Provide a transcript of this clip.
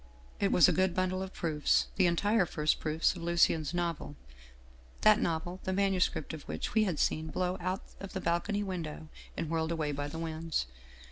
" It was a good bundle of proofs, the entire first proofs of Lucien's novel, that novel the manuscript of which we had seen blown out of the balcony window and whirled away by the winds.